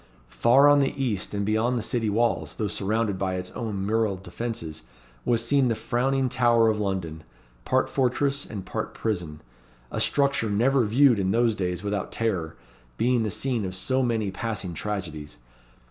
Far on the east, and beyond the city walls, though surrounded by its own mural defences, was seen the frowning Tower of London part fortress and part prison a structure never viewed in those days without terror, being the scene of so many passing tragedies.